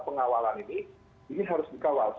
pengawalan ini ini harus dikawal